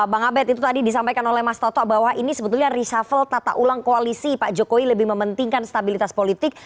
bang abed itu tadi disampaikan oleh mas toto bahwa ini sebetulnya reshuffle tata ulang koalisi pak jokowi lebih mementingkan stabilitas politik